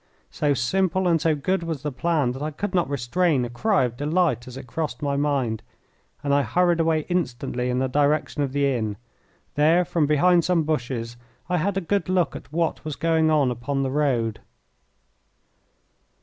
So simple and so good was the plan that I could not restrain a cry of delight as it crossed my mind, and I hurried away instantly in the direction of the inn. There, from behind some bushes, I had a good look at what was going on upon the road.